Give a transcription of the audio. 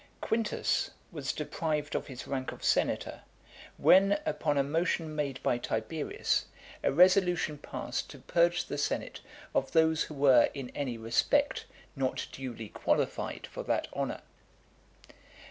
Quintus was deprived of his rank of senator, when, upon a motion made by Tiberius, a resolution passed to purge the senate of those who were in any respect not duly qualified for that honour.